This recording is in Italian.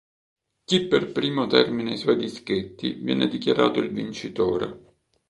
Chi per primo termina i suoi dischetti viene dichiarato il vincitore.